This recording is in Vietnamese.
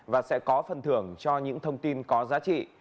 và sẽ có phần thưởng cho những thông tin có giá trị